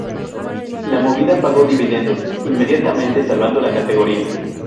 La movida pagó dividendos inmediatamente salvando la categoría.